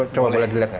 coba boleh dilihat nggak